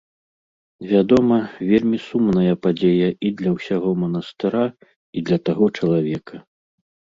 Вядома, вельмі сумная падзея і для ўсяго манастыра, і для таго чалавека.